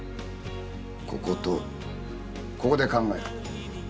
こことここで考えろ。